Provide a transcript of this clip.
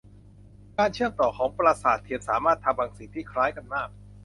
การเชื่อมต่อของประสาทเทียมสามารถทำบางสิ่งที่คล้ายกันมาก